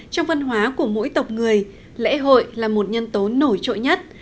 trong văn hóa của mỗi tộc người lễ hội là một nhân tố nổi trội nhất